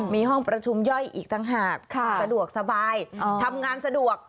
มีห้องประชุมย่อยอีกต่างหากสะดวกสบายทำงานสะดวก